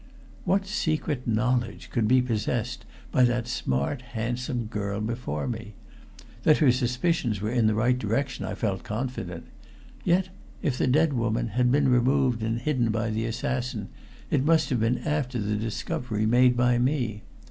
What secret knowledge could be possessed by that smart, handsome girl before me? That her suspicions were in the right direction I felt confident, yet if the dead woman had been removed and hidden by the assassin it must have been after the discovery made by me.